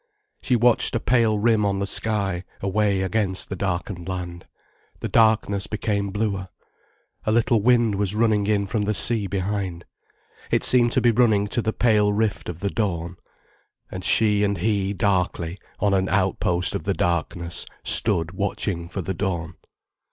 She watched a pale rim on the sky, away against the darkened land. The darkness became bluer. A little wind was running in from the sea behind. It seemed to be running to the pale rift of the dawn. And she and he darkly, on an outpost of the darkness, stood watching for the dawn.